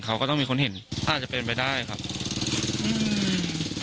เขาก็ต้องมีคนเห็นอาจจะเป็นไปได้ครับ